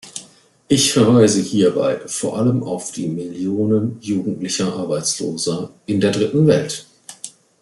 Ich verweise hierbei vor allem auf die Millionen jugendlicher Arbeitsloser in der Dritten Welt.